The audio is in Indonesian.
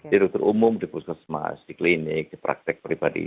di dokter umum di pusat semest di klinik di praktek pribadi